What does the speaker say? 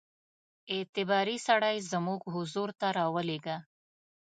اعتباري سړی زموږ حضور ته را ولېږه.